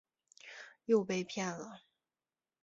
又被骗了